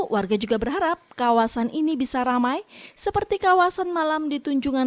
warga juga berharap kawasan ini bisa ramai seperti kawasan malam di tunjungan